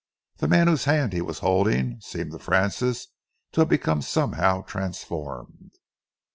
The man whose hand he was holding seemed to Francis to have become somehow transformed.